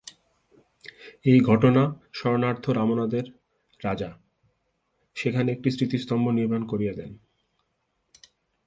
এই ঘটনা স্মরণার্থ রামনাদের রাজা সেখানে একটি স্মৃতিস্তম্ভ নির্মাণ করিয়া দেন।